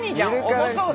重そうだし。